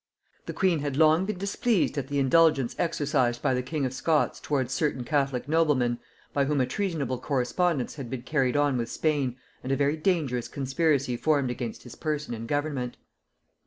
The queen had long been displeased at the indulgence exercised by the king of Scots towards certain catholic noblemen by whom a treasonable correspondence had been carried on with Spain and a very dangerous conspiracy formed against his person and government.